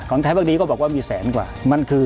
ของไทยภักดีก็บอกว่ามีแสนกว่า